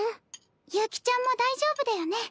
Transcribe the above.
悠希ちゃんも大丈夫だよね？